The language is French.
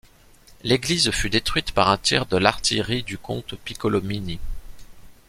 L’église fut détruite par un tir de l’artillerie du comte Piccolomini.